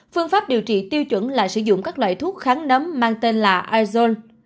phương pháp điều trị tiêu chuẩn là sử dụng các loại thuốc kháng nấm mang tên là ison